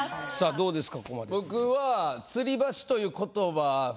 どうですか？